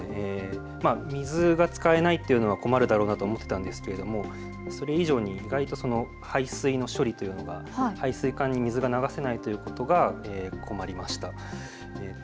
水が使えないというのも困るだろうなと思っていたんですけれども、それ以上に意外と排水の処理というのが排水管に水が流せないということが困りました。